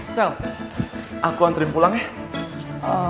sel aku antri pulang ya